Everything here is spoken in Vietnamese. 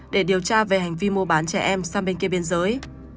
để điều tra về hành vi mua bán trẻ em sang bên kia biên giới